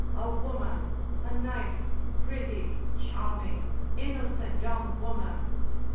A woman, a nice, pretty, charming, innocen' young woman!